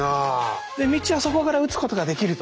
で道あそこから撃つことができると。